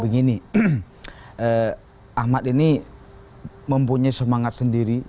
begini ahmad ini mempunyai semangat sendiri